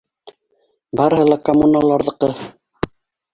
Барыһы ла коммуналарҙыҡы.